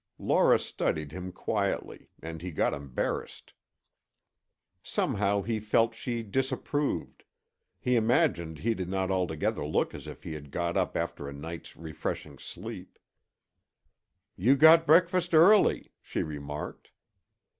Laura studied him quietly and he got embarrassed. Somehow he felt she disapproved; he imagined he did not altogether look as if he had got up after a night's refreshing sleep. "You got breakfast early," she remarked.